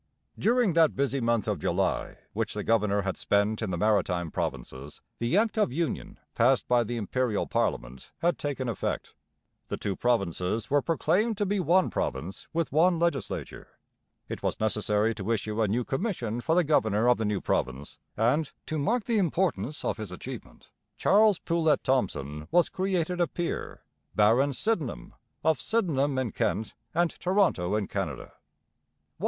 During that busy month of July which the governor had spent in the Maritime Provinces the Act of Union passed by the Imperial parliament had taken effect. The two provinces were proclaimed to be one province with one legislature. It was necessary to issue a new commission for the governor of the new province, and, to mark the importance of his achievement, Charles Poulett Thomson was created a peer, Baron Sydenham of Sydenham in Kent and Toronto in Canada.